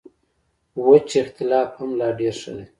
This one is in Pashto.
وچ اختلاف هم لا ډېر ښه دی.